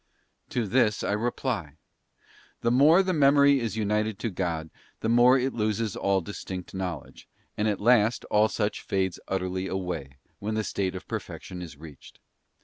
| To this I reply: the more the Memory is united to God the more it loses all distinct knowledge, and at last all such fades utterly away, when the State of Perfection is reached.